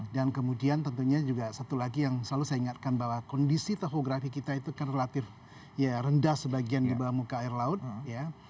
dan kemudian tentunya juga satu lagi yang selalu saya ingatkan bahwa kondisi tohografi kita itu kan relatif ya rendah sebagian di bawah muka air laut ya